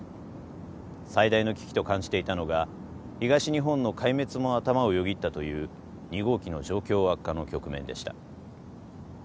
最大の危機と感じていたのが東日本の壊滅も頭をよぎったという２号機の状況悪化の局面でした。